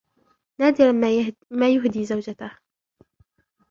نادرًا ما يهدي زوجته.